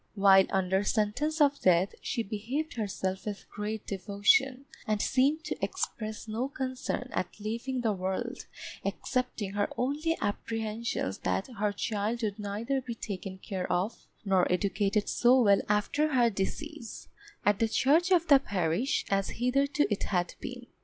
While under sentence of death, she behaved herself with great devotion, and seemed to express no concern at leaving the world, excepting her only apprehensions that her child would neither be taken care of nor educated so well after her decease, at the charge of the parish, as hitherto it had been.